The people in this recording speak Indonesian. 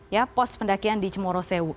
ya pos pendakian di cemoro sewu